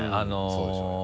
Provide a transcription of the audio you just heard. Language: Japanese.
そうでしょうよ。